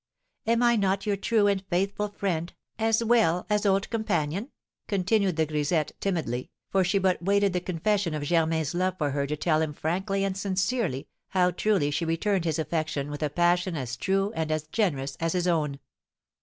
Am I not your true and faithful friend as well as old companion?" continued the grisette, timidly, for she but waited the confession of Germain's love for her to tell him frankly and sincerely how truly she returned his affection with a passion as true and as generous as his own.